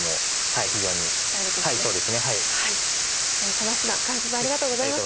佐田七段解説ありがとうございました。